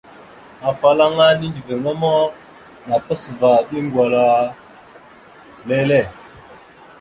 Afalaŋa nindəviŋáma napas va eɗe gwala lele.